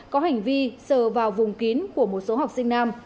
có hành vi sờ vào vùng kín của một số học sinh nam